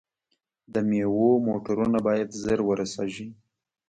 د میوو موټرونه باید ژر ورسیږي.